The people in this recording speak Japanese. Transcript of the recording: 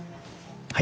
はい。